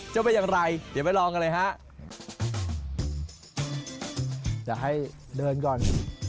จะให้เดินก่อน